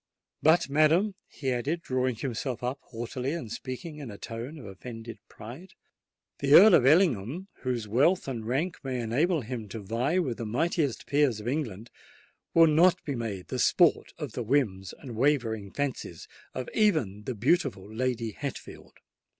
But, madam," he added, drawing himself up haughtily, and speaking in a tone of offended pride, "the Earl of Ellingham, whose wealth and rank may enable him to vie with the mightiest peers of England, will not be made the sport of the whims and wavering fancies of even the beautiful Lady Hatfield."